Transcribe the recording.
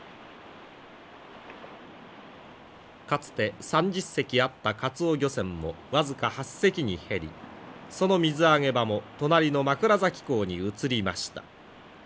かつて３０隻あったかつお漁船も僅か８隻に減りその水揚げ場も隣の枕崎港に移りました。